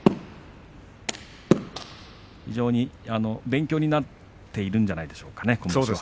非常に勉強になっているんじゃないでしょうかね、今場所は。